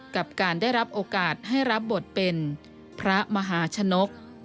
กับการได้รับโอกาสให้รับบทเป็นพระมหาชนก